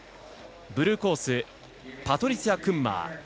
ブルーコースパトリツィア・クンマー。